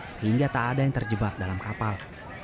sehingga tak ada yang terjebak dalam kapal